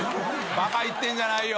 馬鹿言ってんじゃないよ！